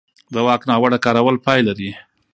د واک ناوړه کارول پای لري